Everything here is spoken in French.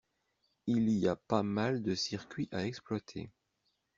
Il y a pas mal de circuits à exploiter.